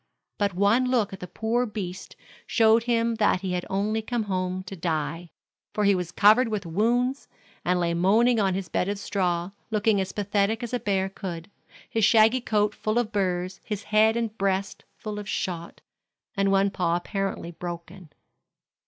But one look at the poor beast showed him that he had only come home to die; for he was covered with wounds and lay moaning on his bed of straw, looking as pathetic as a bear could, his shaggy coat full of burrs, his head and breast full of shot, and one paw apparently broken.